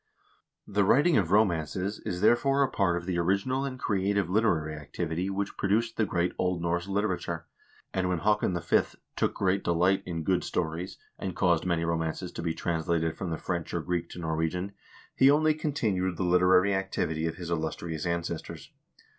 The writing of romances is, therefore, a part of the original and creative literary activity which produced the great Old Norse literature, and when Haakon V. "took great delight in good stories, and caused many romances to be translated from the French or Greek to Norwegian, " he only continued the literary activity of his illustrious ancestors.